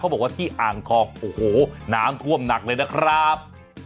บอกว่าที่อ่างทองโอ้โหน้ำท่วมหนักเลยนะครับ